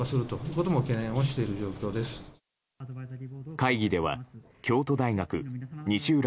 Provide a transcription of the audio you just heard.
会議では京都大学・西浦